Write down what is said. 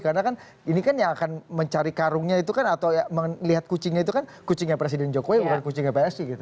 karena kan ini kan yang akan mencari karungnya itu kan atau melihat kucingnya itu kan kucingnya presiden jokowi bukan kucingnya psi gitu